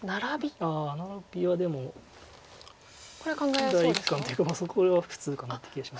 ああナラビはでも第一感というかこれは普通かなって気がしますけど。